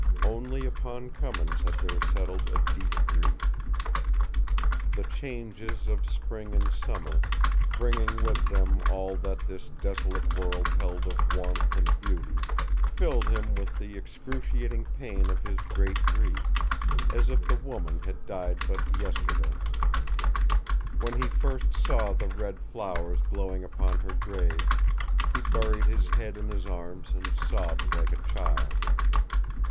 Only upon Cummins had there settled a deep grief. The changes of spring and summer, bringing with them all that this desolate world held of warmth and beauty, filled him with the excruciating pain of his great grief, as if the woman had died but yesterday. When he first saw the red flowers glowing upon her grave, he buried his head in his arms and sobbed like a child.